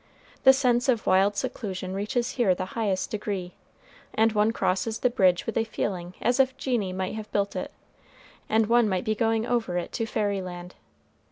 The sense of wild seclusion reaches here the highest degree; and one crosses the bridge with a feeling as if genii might have built it, and one might be going over it to fairy land.